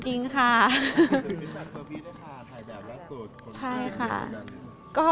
คุณพิจารณ์เฟอร์บี้ด้วยค่ะถ่ายแบบลักษณ์สด